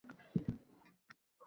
Chumolilarga